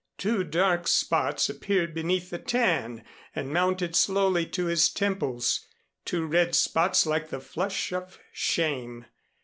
Two dark spots appeared beneath the tan and mounted slowly to his temples, two red spots like the flush of shame.